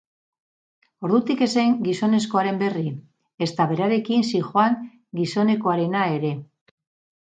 Ordutik ez zen gizonezkoaren berri, ezta berarekin zihoan gizonekoarena ere.